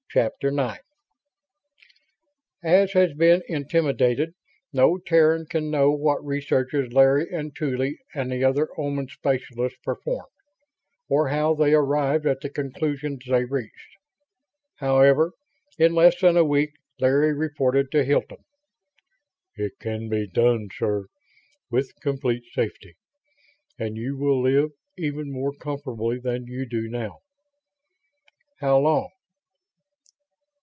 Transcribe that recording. IX As has been intimated, no Terran can know what researches Larry and Tuly and the other Oman specialists performed, or how they arrived at the conclusions they reached. However, in less than a week Larry reported to Hilton. "It can be done, sir, with complete safety. And you will live even more comfortably than you do now." "How long?"